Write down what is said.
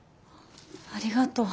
ありがとう。